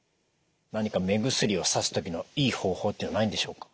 何か目薬をさす時のいい方法っていうのはないんでしょうか？